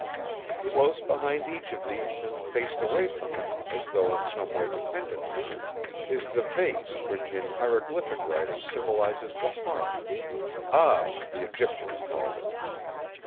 Close behind each of these and faced away from it, as though in some way dependent on it, is the vase which in hieroglyphic writing symbolises the heart—'Ab' the Egyptians called it.